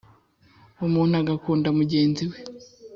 umuntu agakunda mugenzi we